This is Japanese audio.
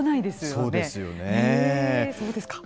そうですか。